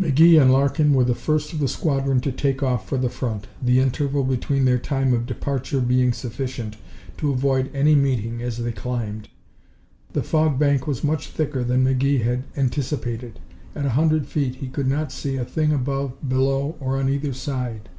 McGee and Larkin were the first of the squadron to take off for the front, the interval between their time of departure being sufficient to avoid any meeting as they climbed. The fog bank was much thicker than McGee had anticipated. At a hundred feet he could not see a thing above, below, or on either side.